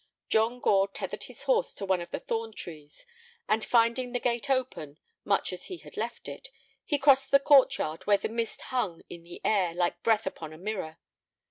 John Gore tethered his horse to one of the thorn trees, and, finding the gate open, much as he had left it, he crossed the court yard where the mist hung in the air like breath upon a mirror.